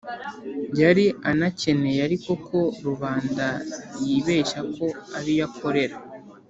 yari anakeneye ariko ko, rubanda yibeshya ko ariyo akorera.